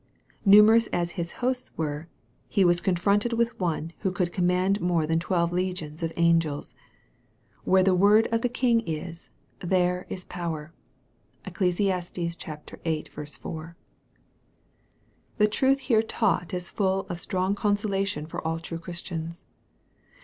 Numerous as his hosts were, he was confronted with One who could command more than twelve legions of angels. " Where 92 EXPOSITOKY THOUGHTS. the word of the king is, there is power." (Eccles. viii. 4.) The truth here taught is full of strong consolation for all true Christians.